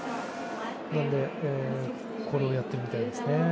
なのでこれをやってるみたいですね。